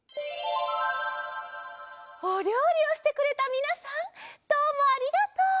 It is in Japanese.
おりょうりをしてくれたみなさんどうもありがとう！